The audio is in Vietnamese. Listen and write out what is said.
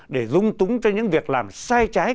để dung túng cho những việc làm sai trái